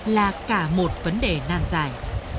là cả một vấn đề nàn dài